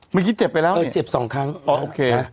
ไม่คิดเจ็บไปแล้วอ่ะเออเจ็บ๒ครั้งอ๋อโอเค